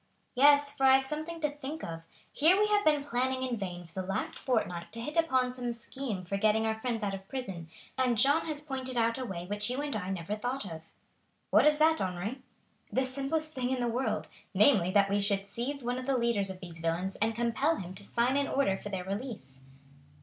"Yes, for I have something to think of. Here have we been planning in vain for the last fortnight to hit upon some scheme for getting our friends out of prison, and Jeanne has pointed out a way which you and I never thought of." "What is that, Henri?" "The simplest thing in the world, namely, that we should seize one of the leaders of these villains and compel him to sign an order for their release."